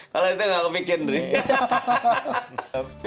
kalau itu nggak kepikirin